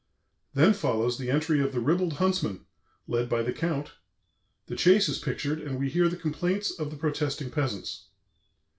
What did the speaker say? Then follows the entry of the ribald huntsmen, led by the Count; the chase is pictured, and we hear the complaints of the protesting peasants.